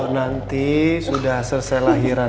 nanti sudah selesai lahiran